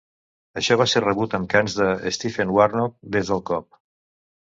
Això va ser rebut amb cants de "Stephen Warnock" des del Kop.